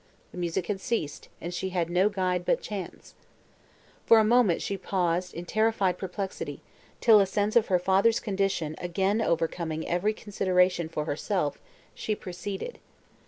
The music had ceased, and she had no guide but chance. For a moment she paused in terrified perplexity, till a sense of her father's condition again overcoming every consideration for herself, she proceeded.